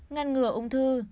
ngăn ngừa ung thư